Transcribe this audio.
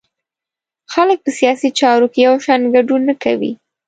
خلک په سیاسي چارو کې یو شان ګډون نه کوي.